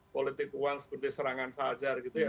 politik uang seperti serangan fajar gitu ya